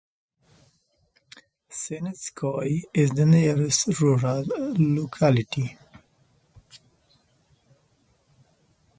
Sinitskoye is the nearest rural locality.